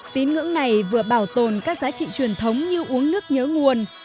tín ngưỡng này vừa bảo tồn các giá trị truyền thống như uống nước nhớ nguồn